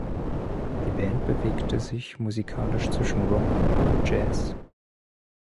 Die Band bewegte sich musikalisch zwischen Rock und Jazz.